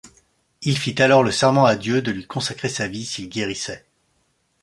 Il fit alors le serment à Dieu de lui consacrer sa vie s'il guérissait.